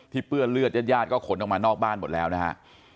เปื้อนเลือดญาติญาติก็ขนออกมานอกบ้านหมดแล้วนะฮะ